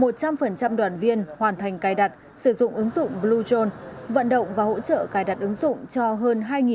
một trăm linh đoàn viên hoàn thành cài đặt sử dụng ứng dụng blue zone vận động và hỗ trợ cài đặt ứng dụng